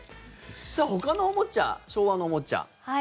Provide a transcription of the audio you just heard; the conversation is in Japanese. さあ、ほかのおもちゃ昭和のおもちゃ。